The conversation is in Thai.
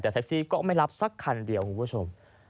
แต่แท็กซี่ก็ไม่รับสักคันเดียวคุณผู้ชม